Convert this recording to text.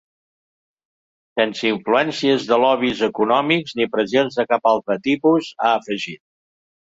Sense influències de lobbies econòmics ni pressions de cap altre tipus, ha afegit.